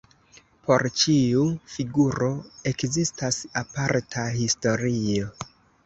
Por ĉiu figuro ekzistas aparta historio.